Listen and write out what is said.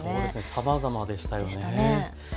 さまざまでしたよね。